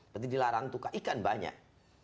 berarti dilarang tuka ikan banyak